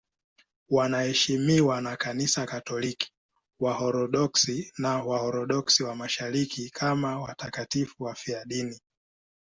Wanaheshimiwa na Kanisa Katoliki, Waorthodoksi na Waorthodoksi wa Mashariki kama watakatifu wafiadini.